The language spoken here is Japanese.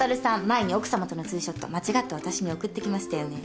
前に奥さまとのツーショット間違って私に送ってきましたよね。